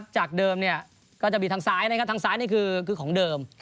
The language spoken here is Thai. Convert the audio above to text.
จากเดิมก็จะมีทางซ้ายนะครับทางซ้ายนี่คือของเดิม